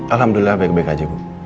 alhamdulillah baik baik aja bu